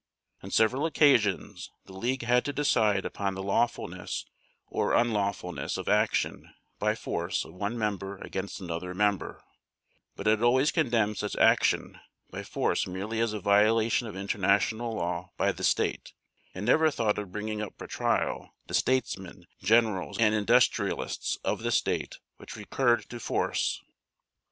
On several occasions the League had to decide upon the lawfulness or unlawfulness of action by force of one member against another member, but it always condemned such action by force merely as a violation of international law by the State, and never thought of bringing up for trial the statesmen, generals, and industrialists of the state which recurred to force.